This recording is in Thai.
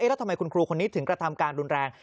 เอ๊ะแล้วทำไมคุณครูคนนี้ก็ทำการรุนแรง